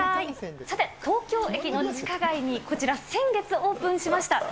さて、東京駅の地下街に、こちら先月オープンしました。